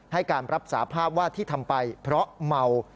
ให้การรับสาภาพว่าที่ทำไปเพราะเมา